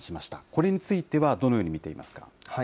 これについてはどのように見ていますか。